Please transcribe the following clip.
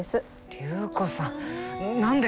隆子さん何で？